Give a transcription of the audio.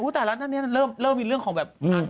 แต่แล้วตอนนี้เริ่มมีเรื่องของแบบ